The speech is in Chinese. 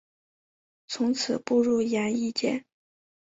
从此步入演艺界。